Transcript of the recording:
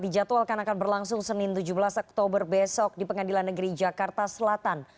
dijadwalkan akan berlangsung senin tujuh belas oktober besok di pengadilan negeri jakarta selatan